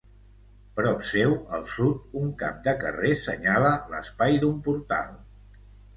Prop seu, al sud, un cap de carrer senyala l'espai d'un portal.